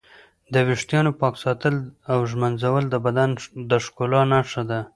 د ویښتانو پاک ساتل او ږمنځول د بدن د ښکلا نښه ده.